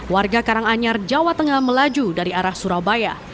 warga karanganyar jawa tengah melaju dari arah surabaya